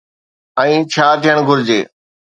۽ ڇا ٿيڻ گهرجي؟